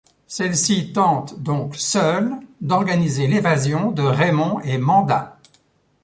Celle-ci tente donc seule d'organiser l'évasion de Raymond et Manda.